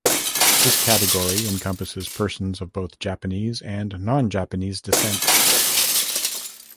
This category encompasses persons of both Japanese and non-Japanese descent.